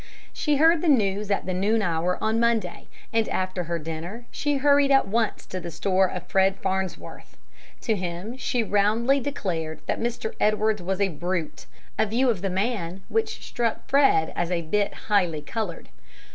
She heard the news at the noon hour on Monday, and after her dinner she hurried at once to the store of Fred Farnsworth. To him she roundly declared that Mr. Edwards was a brute, a view of the man which struck Fred as a bit highly colored.